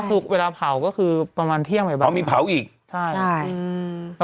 ทุกวันเนี่ยเท่าไหร่